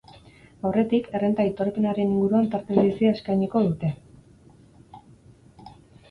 Aurretik, errenta aitorpenaren inguruan tarte berezia eskainiko dute.